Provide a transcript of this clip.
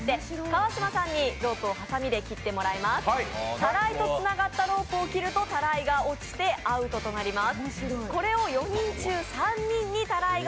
たらいとつながったロープを切るとたらいが落ちてアウトとなります。